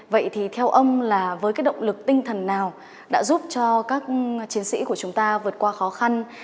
vậy thì theo ông là với cái động lực tinh thần nào đã giúp cho các chiến sĩ của chúng ta vượt qua khó khăn